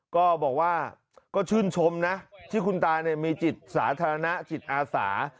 ก็บอกว่าก็ชื่นชมนะที่คุณตามีจิตสาธารณะจิตอาสา